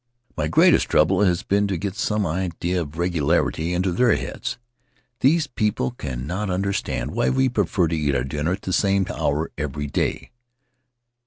"My greatest trouble has been to get some idea of regularity into their heads. These people cannot un derstand why we prefer to eat our dinner at the same hour every day.